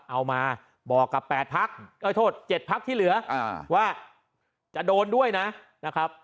เอามาบอกกับ๘พักโทษ๗พักที่เหลือว่าจะโดนด้วยนะครับ